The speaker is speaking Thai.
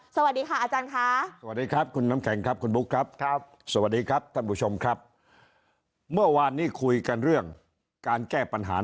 สวัสดีค่ะอาจารย์คะสวัสดีครับคุณน้ำแข็งครับคุณบุ๊คครับ